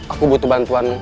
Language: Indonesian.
aku butuh bantuanmu